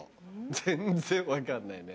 全然分かんないね。